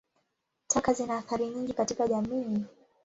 Taka zina athari nyingi katika jamii.